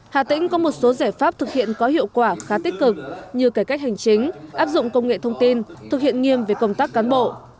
hà tĩnh có một số giải pháp thực hiện có hiệu quả khá tích cực như cải cách hành chính áp dụng công nghệ thông tin thực hiện nghiêm về công tác cán bộ